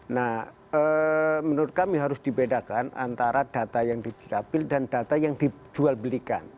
nah menurut kami harus dibedakan antara data yang di dukcapil dan data yang dijual belikan